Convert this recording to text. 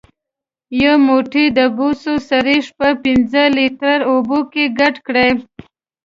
یو موټی د بوسو سريښ په پنځه لیتره اوبو کې ګډ کړئ.